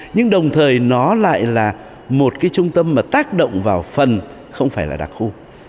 nhưng đồng thời nó lại là một cái trung tâm mà tác động vào phần không phải là đặc khu